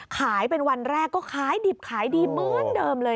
ขายเป็นวันแรกก็ขายดิบขายดีเหมือนเดิมเลย